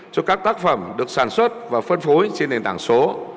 cho các tác phẩm được sản xuất và phân phối trên nền tảng số